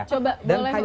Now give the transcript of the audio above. coba boleh dulu abang